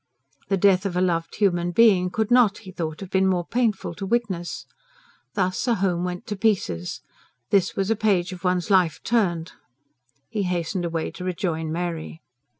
The death of a loved human being could not, he thought, have been more painful to witness. Thus a home went to pieces; thus was a page of one's life turned. He hastened away to rejoin Mary.